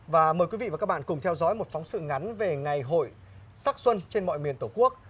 và mời quý vị và các bạn cùng theo dõi một phóng sự ngắn về ngày hội sắc xuân trên mọi miền tổ quốc